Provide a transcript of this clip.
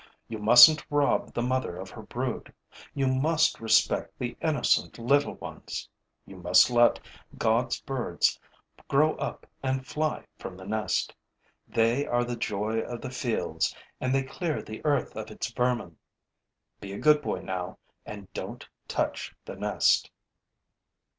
'You mustn't rob the mother of her brood; you must respect the innocent little ones; you must let God's birds grow up and fly from the nest. They are the joy of the fields and they clear the earth of its vermin. Be a good boy, now, and don't touch the nest.'